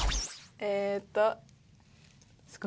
えーっと。